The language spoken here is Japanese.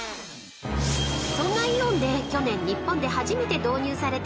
［そんなイオンで去年］